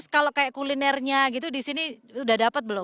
kalau kayak kulinernya gitu disini sudah dapat belum